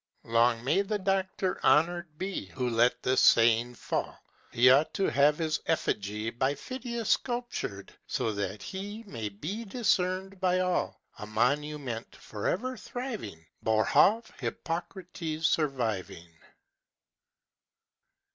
Long may the doctor honored be Who let this saying fall! He ought to have his effigy By Phidias sculptured, so that he May be discerned by all; A monument forever thriving, Boerhaave, Hippocrates, surviving!